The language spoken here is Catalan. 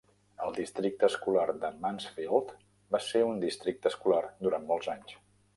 El districte escolar de Mansfield va ser un districte escolar durant molts anys.